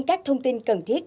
các thông tin cần thiết